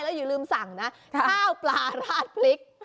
แล้วอย่าลืมสั่งนะข้าวปลาราดพริก